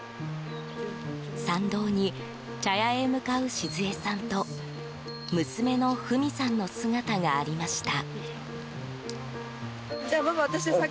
参道に茶屋へ向かう静恵さんと娘の富美さんの姿がありました。